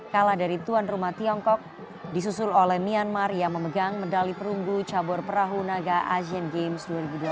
kalah dari tuan rumah tiongkok disusul oleh myanmar yang memegang medali perunggu cabur perahu naga asian games dua ribu delapan belas